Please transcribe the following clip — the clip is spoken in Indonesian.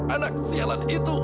anak sialan itu